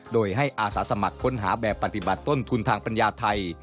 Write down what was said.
โดยให้อาสาสมัครค้นหาแบบปฏิบัติต้นทุนทางปัญญาไทย